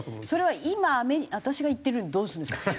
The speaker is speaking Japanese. それは今私が言ってどうするんですか。